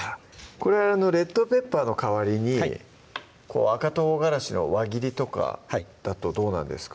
これレッドペッパーの代わりに赤とうがらしの輪切りとかだとどうなんですか？